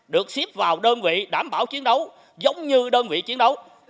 được xếp vào đơn vị đảm bảo chiến đấu giống như đơn vị chiến đấu